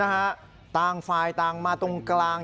ต่างฝ่ายต่างมาตรงกลาง